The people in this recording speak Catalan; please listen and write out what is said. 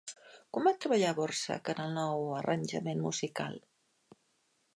Quan va treballar Dvořák en el nou arranjament musical?